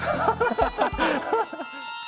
ハハハハ！